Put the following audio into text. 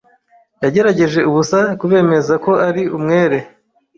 Yagerageje ubusa kubemeza ko ari umwere.